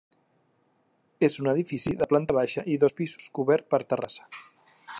És un edifici de planta baixa i dos pisos cobert per terrassa.